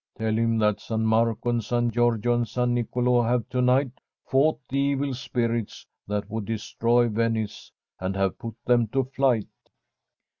Tell him that San Marco and San Giorgio and San Nicolo have to night fought the evil spirits that would destroy Venice, and have put them to flight.'